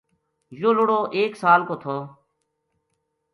یوہ لُڑو ایک سال کو تھو